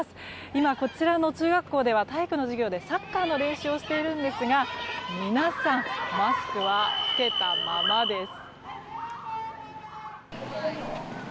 今、こちらの中学校では体育の授業でサッカーの練習をしてるんですが皆さんマスクは着けたままです。